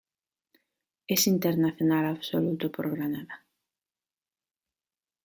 Es internacional absoluto por Granada.